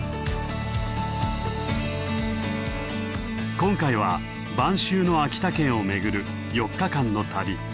今回は晩秋の秋田県を巡る４日間の旅。